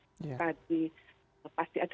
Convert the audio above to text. tadi pasti ada dampak dampaknya yang berbeda